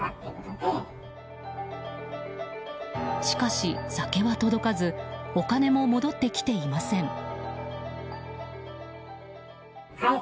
しかし、酒は届かずお金も戻ってきていません。